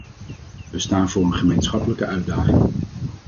We staan voor een gemeenschappelijke uitdaging.